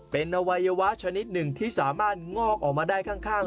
เป็นอวัยวะชนิดหนึ่งที่สามารถงอกออกมาได้ข้าง